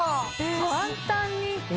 簡単に。